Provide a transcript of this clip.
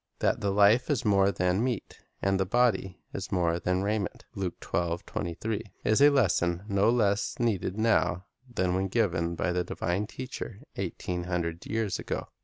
That "the life is more than meat, and the body is more than raiment," 1 is a lesson no less needed now than when given by the divine Teacher eighteen hundred years ago.